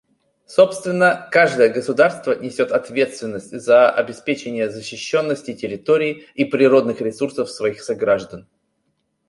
Собственно, каждое государство несет ответственность за обеспечение защищенности территории и природных ресурсов своих сограждан.